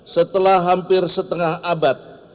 setelah hampir setengah abad